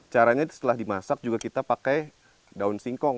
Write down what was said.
caranya setelah dimasak juga kita pakai daun singkong